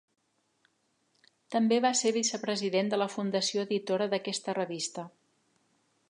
També va ser vicepresident de la Fundació editora d'aquesta revista.